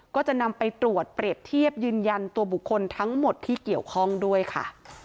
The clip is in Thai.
ก็จะนำไปตรวจเปรียบเทียบยืนยันตัวบุคคลทั้งหมดที่เกี่ยวข้องด้วยค่ะ